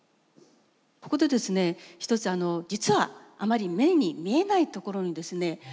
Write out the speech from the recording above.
ここでですね一つ実はあまり目に見えないところにですね